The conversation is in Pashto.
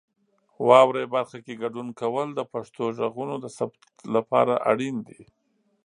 واورئ برخه کې ګډون کول د پښتو غږونو د ثبت لپاره اړین دي.